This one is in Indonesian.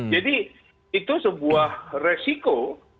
jadi itu sebuah resiko